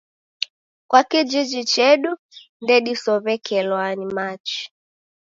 Kwa kijiji chedu ndedisow'ekelwa ni machi